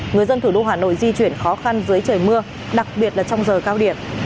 người dân thủ đô hà nội di chuyển khó khăn dưới trời mưa đặc biệt là trong giờ cao điểm